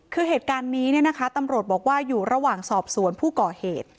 คือเหตุการณ์นี้เนี่ยนะคะตำรวจบอกว่าอยู่ระหว่างสอบสวนผู้ก่อเหตุ